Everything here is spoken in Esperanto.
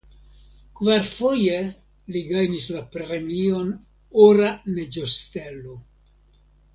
Kvarfoje li gajnis la premion "Ora neĝostelo".